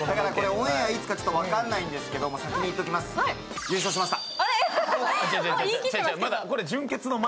オンエア、いつか分からないんですけれども先に言っておきます、優勝しました！